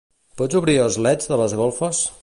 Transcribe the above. Pots obrir els leds de les golfes?